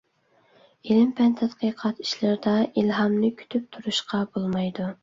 ئىلىم پەن تەتقىقات ئىشلىرىدا ئىلھامنى كۈتۈپ تۇرۇشقا بولمايدۇ.